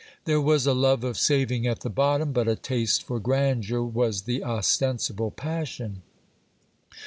There was a love of saving at the bottom ; but a taste for grandeur was the ostensible passion.